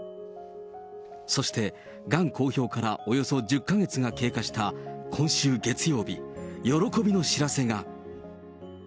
そしてがん公表からおよそ１０か月が経過した今週月曜日、喜びの知らせが。